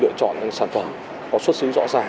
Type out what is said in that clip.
thì chúng ta nên lựa chọn sản phẩm có xuất xứng rõ ràng